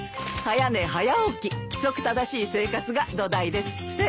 早寝早起き規則正しい生活が土台ですって。